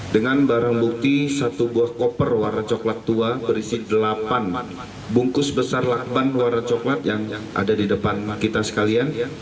dengan barang bukti satu buah koper warna coklat tua berisi delapan bungkus besar lakban warna coklat yang ada di depan kita sekalian